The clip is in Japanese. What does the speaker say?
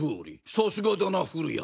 さすがだな降谷。